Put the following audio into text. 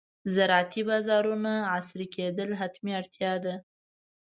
د زراعتي بازارونو عصري کېدل حتمي اړتیا ده.